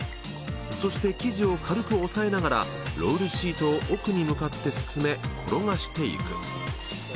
そして生地を軽く押さえながらロールシートを奥に向かって進め転がして行く。